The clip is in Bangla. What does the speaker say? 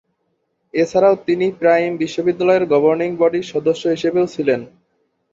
এছাড়াও তিনি প্রাইম বিশ্ববিদ্যালয়ের গভর্নিং বডির সদস্য হিসেবেও ছিলেন।